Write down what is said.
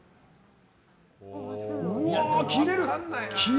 うわ、切れる！